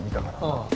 ああ。